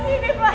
aku mau pak